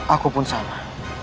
aku pun salah